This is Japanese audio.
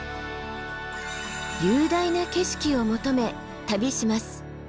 雄大な景色を求め旅します。